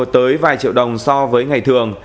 tới vài triệu đồng so với ngày thường